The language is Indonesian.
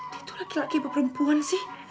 dia tuh laki laki peperempuan sih